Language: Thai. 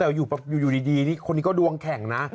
แต่อยู่ดีคนนี้ก็ดวงแข็งนะ